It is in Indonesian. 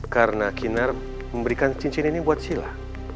karena kinar memberikan cincin ini buat sila